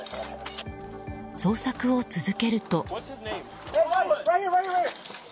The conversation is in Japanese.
捜索を続けると。